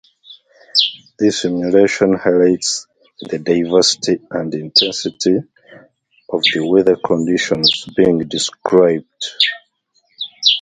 This enumeration highlights the diversity and intensity of the weather conditions being described.